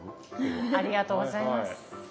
ありがとうございます。